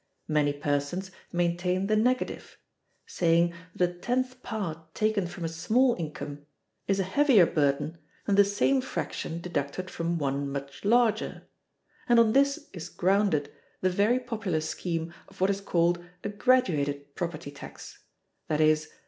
Many persons maintain the negative, saying that a tenth part taken from a small income is a heavier burden than the same fraction deducted from one much larger; and on this is grounded the very popular scheme of what is called a graduated property tax, viz.